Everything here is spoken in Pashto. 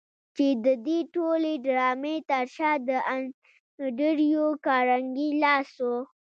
چې د دې ټولې ډرامې تر شا د انډريو کارنګي لاس و.